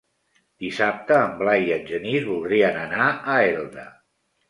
Dissabte en Blai i en Genís voldrien anar a Elda.